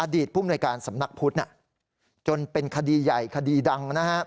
ผู้มนวยการสำนักพุทธจนเป็นคดีใหญ่คดีดังนะฮะ